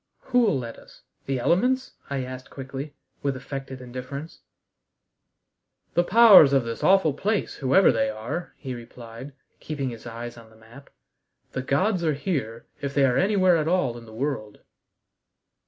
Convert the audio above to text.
"Who'll let us? The elements?" I asked quickly, with affected indifference. "The powers of this awful place, whoever they are," he replied, keeping his eyes on the map. "The gods are here, if they are anywhere at all in the world."